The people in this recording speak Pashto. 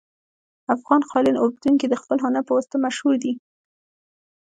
افغان قالین اوبدونکي د خپل هنر په واسطه مشهور دي